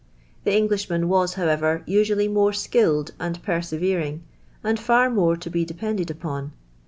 The Englishmaji was, how ever, uiually more skilled and persevprin,', and far mure ti be depended upon.